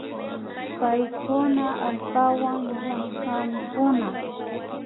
Paykuna allpawan llankankuna